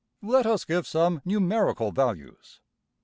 Let us give some numerical values.